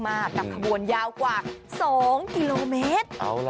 กับขบวนยาวกว่า๒กิโลเมตร